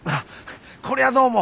こりゃどうも。